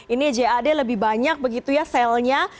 ini jad lebih banyak begitu ya selnya